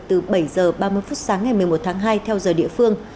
giờ ba mươi phút sáng ngày một mươi một tháng hai theo giờ địa phương